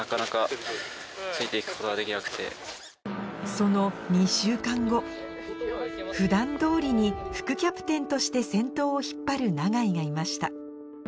その２週間後普段通りに副キャプテンとして先頭を引っ張る永井がいました